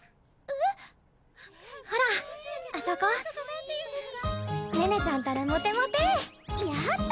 ほらあそこ寧々ちゃんったらモテモテヤダ